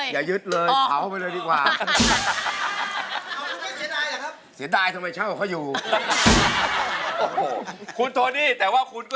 ยังมีอยู่ใช่ไหมครับ